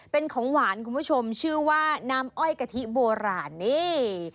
เป็นของหวานคุณผู้ชมชื่อว่าน้ำอ้อยกะทิโบราณนี่